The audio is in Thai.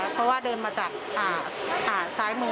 เพราะว่าเดินมาจากซ้ายมือของห้างแล้วเดินเข้ามาแล้วก็ฟังเลย